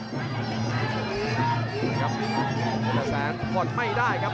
นี่ครับเจนเตอร์แซนพอดไม่ได้ครับ